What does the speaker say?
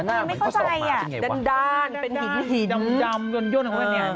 หน้าเหมือนข้อสอกหมานเป็นอย่างไรวะดันเป็นหินดันย่นย่นของมันไงไหม